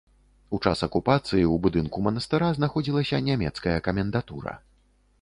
У час акупацыі ў будынку манастыра знаходзілася нямецкая камендатура.